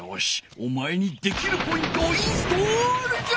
おまえにできるポイントをインストールじゃ！